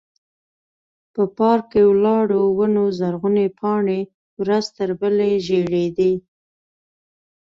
په پارک کې ولاړو ونو زرغونې پاڼې ورځ تر بلې ژړېدې.